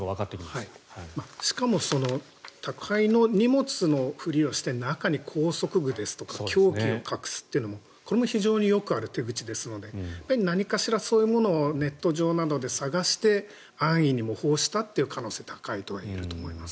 しかも宅配の荷物のふりをして中に拘束具ですとか凶器を隠すというのはこれも非常によくある手口ですので何かしらそういうものをネット上で探して安易に模倣したという可能性が高いとはいえると思います。